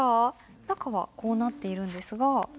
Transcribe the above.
中はこうなっているんですが。